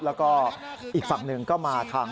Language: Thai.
แล้วก็อีกฝั่งหนึ่งก็มาทาง